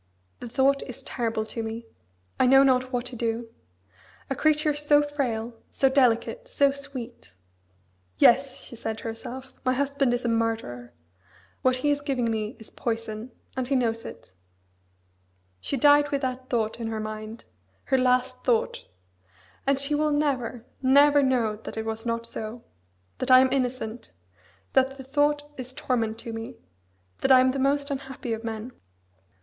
The thought is terrible to me. I know not what to do. A creature so frail, so delicate, so sweet. "Yes!" she said to herself, "my husband is a murderer; what he is giving me is poison, and he knows it." She died with that thought in her mind her last thought. And she will never, never know that it was not so; that I am innocent; that the thought is torment to me: that I am the most unhappy of men.